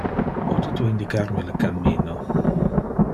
Pote tu indicar me le cammino?